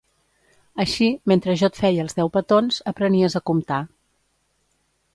Així, mentre jo et feia els deu petons, aprenies a comptar.